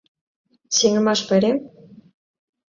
Сеҥымаш пайрем?